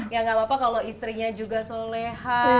ya gak apa apa kalau istrinya juga solehan